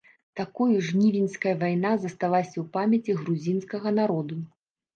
Такою жнівеньская вайна засталася ў памяці грузінскага народу.